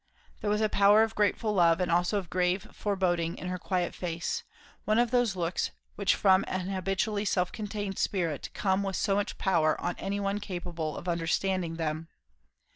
There was a power of grateful love and also of grave foreboding in her quiet face; one of those looks which from an habitually self contained spirit come with so much power on any one capable of understanding them.